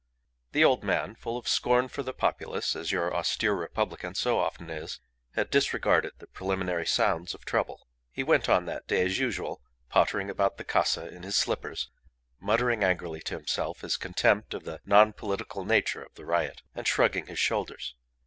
The old man, full of scorn for the populace, as your austere republican so often is, had disregarded the preliminary sounds of trouble. He went on that day as usual pottering about the "casa" in his slippers, muttering angrily to himself his contempt of the non political nature of the riot, and shrugging his shoulders.